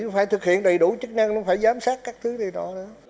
phải thực hiện đầy đủ chức năng phải giám sát các thứ này đó